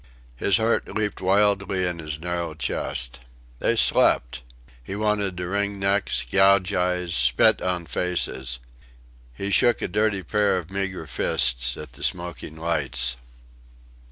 His heart leaped wildly in his narrow chest. They slept! He wanted to wring necks, gouge eyes, spit on faces. He shook a dirty pair of meagre fists at the smoking lights.